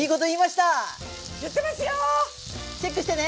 チェックしてね！